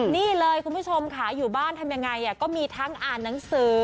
นี่เลยคุณผู้ชมค่ะอยู่บ้านทำยังไงก็มีทั้งอ่านหนังสือ